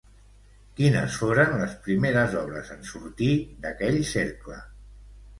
Quines foren les primeres obres en sortir d'aquell cercle?